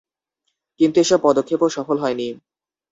কিন্তু এসব পদক্ষেপও সফল হয়নি।